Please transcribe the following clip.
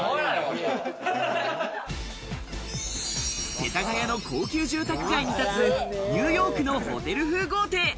世田谷の高級住宅街に立つニューヨークのホテル風豪邸。